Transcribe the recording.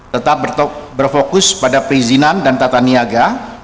tetap berfokus pada perizinan dan tata niaga